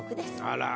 あら。